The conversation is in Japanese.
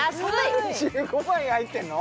３５枚入ってるの？